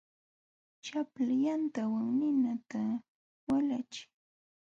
Chapla yantawan ninata walachiy.